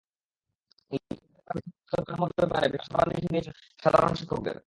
ইতিপূর্বে তাঁরা পৃথক বেতনকাঠামোর ব্যাপারে বেশ আশার বাণী শুনিয়েছেন সাধারণ শিক্ষকদের।